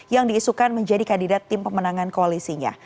yang diisukan menjadi kandidat tim pemenangan koalisinya